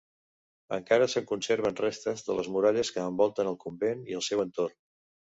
Encara se'n conserven restes de les muralles que envoltaven el convent i el seu entorn.